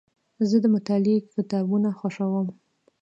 زه د مطالعې کتابونه خوښوم.